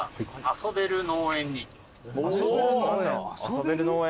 遊べる農園？